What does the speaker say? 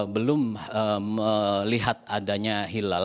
belum melihat adanya hilal